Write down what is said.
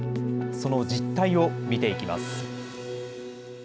その実態を見ていきます。